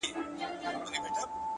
د زړه سکون له پاک فکر راځي؛